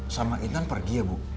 sama intan pergi ya bu